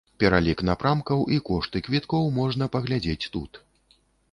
Пералік напрамкаў і кошты квіткоў можна паглядзець тут.